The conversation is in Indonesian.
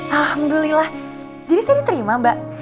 alhamdulillah jadi saya diterima mbak